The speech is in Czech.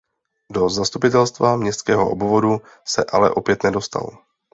Do zastupitelstva městského obvodu se ale opět nedostal.